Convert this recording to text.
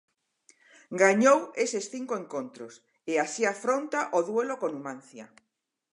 Gañou eses cinco encontros e así afronta o duelo co Numancia.